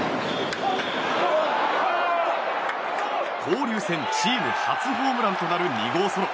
交流戦チーム初ホームランとなる２号ソロ。